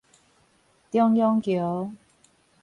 重陽橋